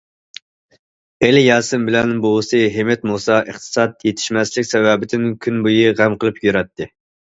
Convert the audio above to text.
ئېلى ياسىن بىلەن بوۋىسى ھىمىت مۇسا ئىقتىساد يېتىشمەسلىك سەۋەبىدىن كۈن بويى غەم قىلىپ يۈرەتتى.